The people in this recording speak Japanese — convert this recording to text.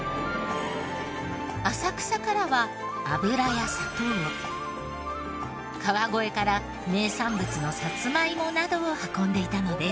浅草からは油や砂糖を川越から名産物のサツマイモなどを運んでいたのです。